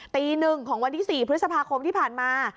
ตี๑ของวันที่๔พฤษภาคมที่ผ่านมา